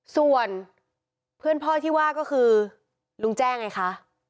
ส่วนเพื่อนพ่อที่ว่าก็คือลุงแจ้งไงคะ